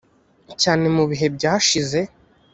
cyane mu bihe byashize